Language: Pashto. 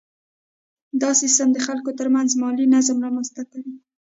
دا سیستم د خلکو ترمنځ مالي نظم رامنځته کوي.